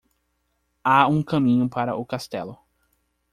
Há um caminho para o castelo.